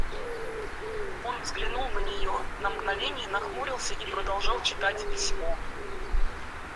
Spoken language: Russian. Он взглянул на нее, на мгновенье нахмурился и продолжал читать письмо.